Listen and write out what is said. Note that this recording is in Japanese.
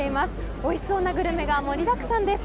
おいしそうなグルメが盛りだくさんです。